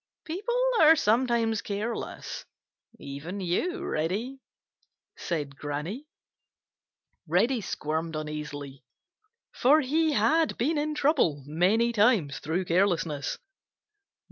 "People are sometimes careless,—even you, Reddy," said Granny. Reddy squirmed uneasily, for he had been in trouble many times through carelessness.